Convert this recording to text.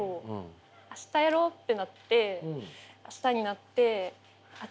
明日やろうってなって明日になってあっ